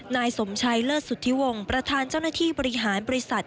นายสมชัยเลิศสุธิวงศ์ประธานเจ้าหน้าที่บริหารบริษัท